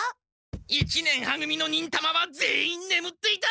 一年は組の忍たまは全員ねむっていた！